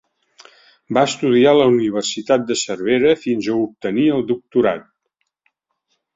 Va estudiar a la Universitat de Cervera fins a obtenir el doctorat.